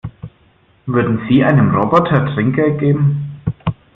Würden Sie einem Roboter Trinkgeld geben?